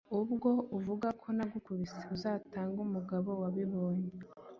Ubwo uvuga ko nagukubise uzatange umugabo wabibonye.